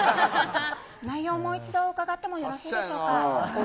内容をもう一度伺ってもよろしいでしょうか。